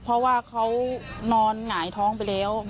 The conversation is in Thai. เพราะว่าเขานอนหงายท้องไปแล้ว